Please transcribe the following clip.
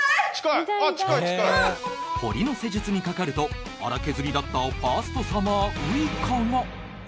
ホリの施術にかかると粗削りだったファーストサマーウイカが。